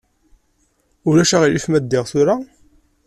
Ulac aɣilif ma ddiɣ tura?